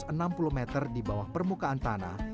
terletak satu tujuh ratus enam puluh meter di bawah permukaan tanah